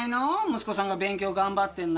息子さんが勉強頑張ってんなら。